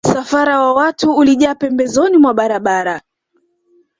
Msafara wa watu ulijaa pembezoni mwa barabara